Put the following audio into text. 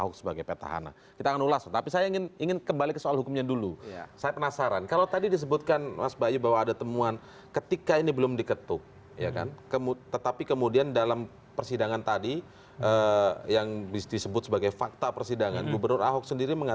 kita sebelumnya ketemu di video selanjutnya